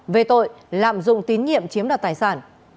về tội lạm dụng tín nhiệm chiếm đoạt tài sản